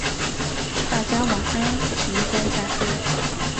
大家晚安，明天再会。